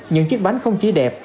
những chiếc bánh không chỉ đẹp